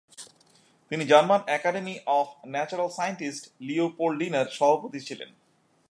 তিনি German academy of natural scientists লিওপোলডিনার সভাপতি ছিলেন।